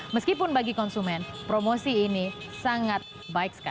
meskipun bagi konsumen promosi ini sangat baik sekali